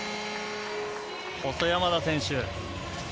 細山田選手。